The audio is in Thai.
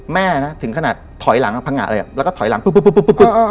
แม่นะถึงขนาดถอยหลังพังหาอะไรอย่างแล้วก็ถอยหลังปุ๊บปุ๊บปุ๊บปุ๊บ